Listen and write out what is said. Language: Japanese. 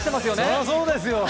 それはそうですよ！